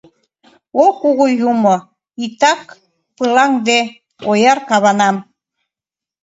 О Кугу Юмо, Итак пылаҥде ояр каванам.